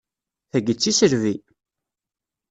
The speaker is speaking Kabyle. Tagi d tiselbi!